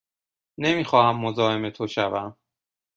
نمی خواهم مزاحم تو شوم.